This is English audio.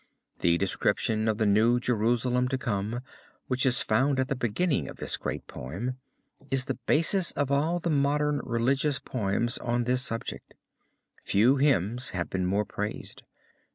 The description of the New Jerusalem to come, which is found at the beginning of this great poem, is the basis of all the modern religious poems on this subject. Few hymns have been more praised.